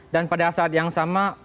dan pada saat yang sama